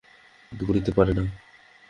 কিন্তু বলিতে পারে না।